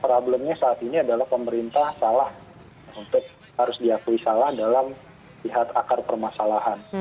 problemnya saat ini adalah pemerintah salah untuk harus diakui salah dalam lihat akar permasalahan